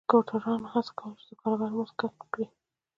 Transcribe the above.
سکواټورانو هڅه کوله چې د کارګرو مزد کم شي.